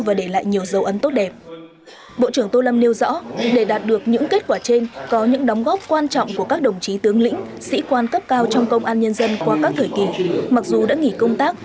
và đạt được nhiều kết quả nổi bật trên các lĩnh vực công tác